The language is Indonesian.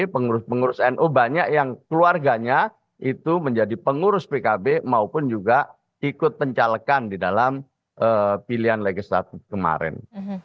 pengurus pengurus nu banyak yang keluarganya itu menjadi pengurus pkb maupun juga ikut pencalekan di dalam pilihan legislatif kemarin